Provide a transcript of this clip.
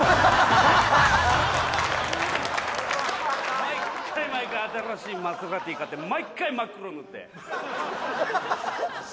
毎回毎回新しいマセラティ買って毎回真っ黒塗って。